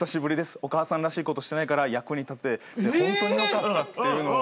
お母さんらしい事してないから役に立ててほんとによかった」っていうのを。